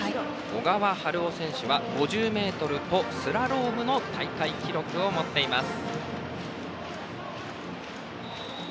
小川晴夫選手は５０ｍとスラロームの大会記録を持っています。